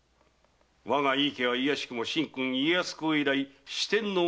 我が井伊家はいやしくも神君・家康公以来四天王の家柄。